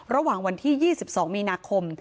ระหว่างวันที่๒๒มีนาคม